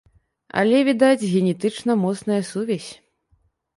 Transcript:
Але, відаць, генетычна моцная сувязь.